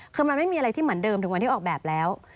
คือมันไม่มีอะไรที่เหมือนเดิมถึงวันที่ออกแบบแล้ว